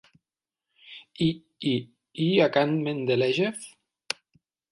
I, I, I a can Mendelèjev.